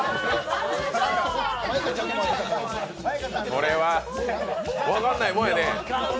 これは分かんないもんやね。